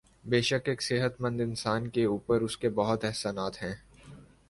بیشک ایک صحت مند اانسان کے اوپر اسکے بہت احسانات ہیں